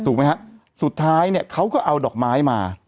ไหมฮะสุดท้ายเนี่ยเขาก็เอาดอกไม้มา